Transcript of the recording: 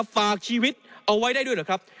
ฝากชีวิตเอาไว้ได้ด้วยเหรอครับ